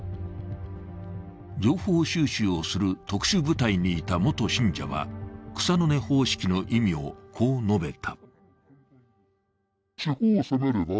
情報収集をする特殊部隊にいた元信者は草の根方式の意味をこう述べた。